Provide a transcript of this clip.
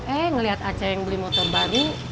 eh ngeliat aceh yang beli motor babi